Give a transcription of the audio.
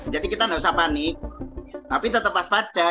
jadi kita tidak usah panik tapi tetap pas pada